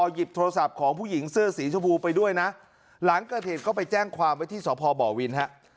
หยิบโทรศัพท์ของผู้หญิงเสื้อสีชมพูไปด้วยนะหลังเกิดเหตุก็ไปแจ้งความไว้ที่สพบวินฮะ